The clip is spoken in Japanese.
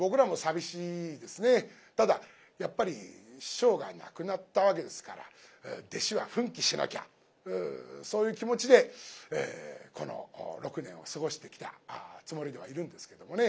ただやっぱり師匠が亡くなったわけですから弟子は奮起しなきゃそういう気持ちでこの６年を過ごしてきたつもりではいるんですけどもね。